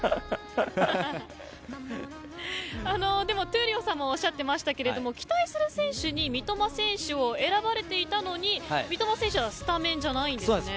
闘莉王さんもおっしゃっていましたが期待する選手に三笘選手を選ばれていたのに三笘選手はスタメンじゃないんですね。